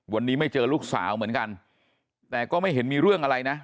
วันนี้ไม่เจอลูกสาวเหมือนกันแต่ก็ไม่เห็นมีเรื่องอะไรนะ